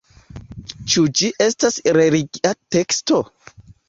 Ĉu ĝi estas religia teksto?